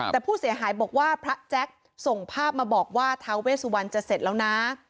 แต่ผู้เสียหายบอกว่าพระแจ็คส่งภาพมาบอกว่าทาเวสวันจะเสร็จแล้วนะ